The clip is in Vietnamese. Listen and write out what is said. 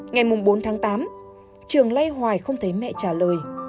ngày bốn tháng tám trường lay hoài không thấy mẹ trả lời